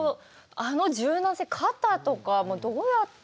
あの柔軟性肩とかどうやって。